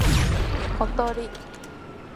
ことり